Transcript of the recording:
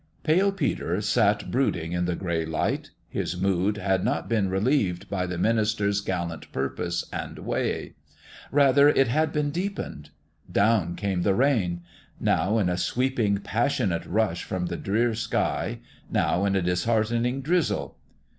Pale Peter sat brooding in the gray light. His mood had not been relieved by the minister's gallant purpose and way. Rather, it had been deepened. Down came the rain : now in a sweeping, passionate rush from the drear sky, now in a disheartening drizzle.